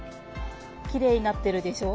きれいになってるでしょう？